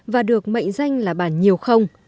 và được mệnh danh là bản nhiều không